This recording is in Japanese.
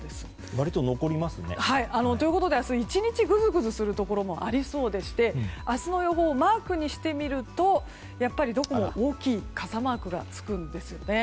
割と残りますね。ということで明日１日ぐずぐずするところもありそうでして明日の予報をマークにしてみるとやっぱりどこも大きい傘マークがつくんですね。